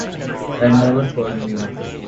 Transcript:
And never called me mother!